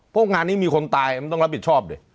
เพราะงานนี้มีคนตายมันต้องรับผิดชอบดิ